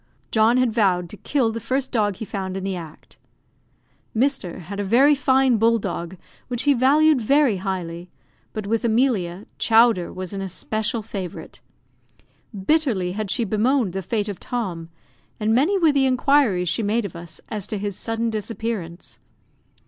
John had vowed to kill the first dog he found in the act. Mr. had a very fine bull dog, which he valued very highly; but with Emilia, Chowder was an especial favourite. Bitterly had she bemoaned the fate of Tom, and many were the inquiries she made of us as to his sudden disappearance.